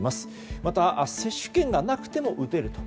また、接種券がなくても打てる。